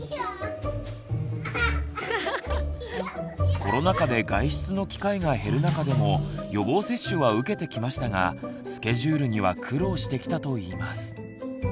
コロナ禍で外出の機会が減る中でも予防接種は受けてきましたがスケジュールには苦労してきたといいます。